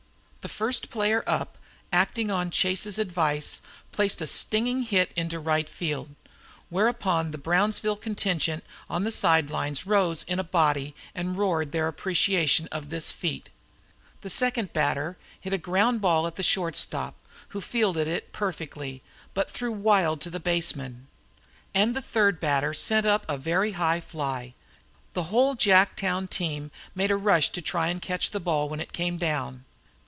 The first player up, acting on Chase's advice, placed a stinging hit into right field. Whereupon the Brownsville contingent on the side lines rose in a body and roared their appreciation of this feat. The second batter hit a ground ball at the short stop, who fielded it perfectly, but threw wild to the base man. And the third hitter sent up a very high fly. The whole Jacktown team made a rush to try to catch the ball when it came down.